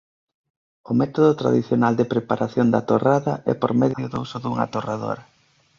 O método tradicional de preparación da torrada é por medio do uso dunha torradora.